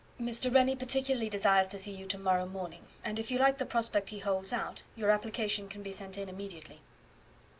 "Mr. Rennie particularly desires to see you to morrow morning; and if you like the prospect he holds out, your application can be sent in immediately."